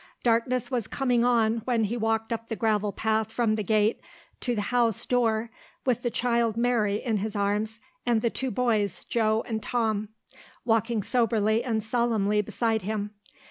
Darkness was coming on when he walked up the gravel path from the gate to the house door with the child Mary in his arms and the two boys, Joe and Tom, walking soberly and solemnly beside him.